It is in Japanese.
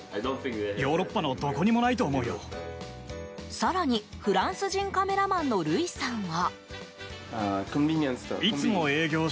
更に、フランス人カメラマンのルイさんは。